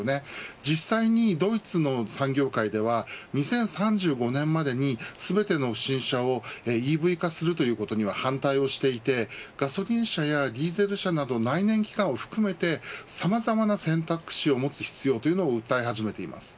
実際にドイツの産業界では２０３５年までに全ての新車をＥＶ化するということには反対していてガソリン車やディーゼル車など内燃機関を含めてさまざまな選択肢を持つ必要というのを訴え始めています。